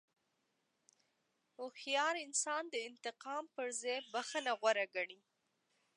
هوښیار انسان د انتقام پر ځای بښنه غوره ګڼي.